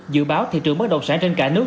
dự báo thị trường bất động sản trên cả nước